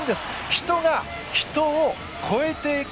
人が人を超えていく